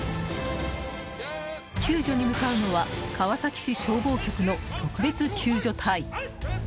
救助に向かうのは川崎市消防局の特別救助隊。